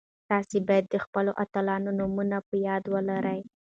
تاسي باید د خپلو اتلانو نومونه په یاد ولرئ.